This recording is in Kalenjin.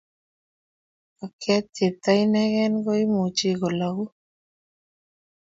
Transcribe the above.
ng'okye chepto inegei ko imuchi ko loku